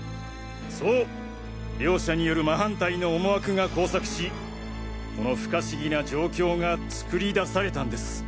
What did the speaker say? そう！両者による真反対の思惑が交錯しこの不可思議な状況が作り出されたんです。